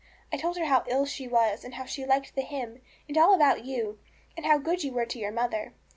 I told her how ill she was, and how she liked the hymn, and all about you, and how good you were to your mother.